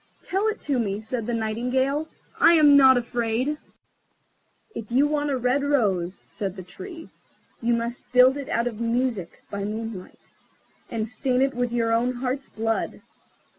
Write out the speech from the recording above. "Tell it to me," said the Nightingale, "I am not afraid." "If you want a red rose," said the Tree, "you must build it out of music by moonlight, and stain it with your own heart's blood.